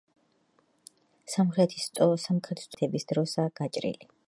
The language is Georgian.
სამხრეთის სწორკუთხა სარკმელი შეკეთების დროსაა გაჭრილი.